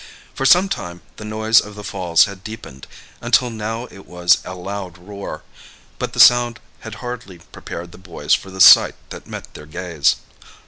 For some time the noise of the falls had deepened, until now it was a loud roar; but the sound had hardly prepared the boys for the sight that met their gaze.